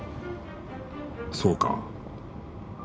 そうか。